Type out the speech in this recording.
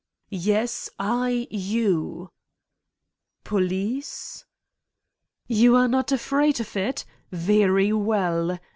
"Yes. I you." "Police?" "You are not afraid of it? Very well.